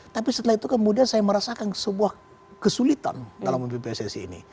tapi setelah itu kemudian saya merasakan sebuah kesulitan dalam memimpin pssi ini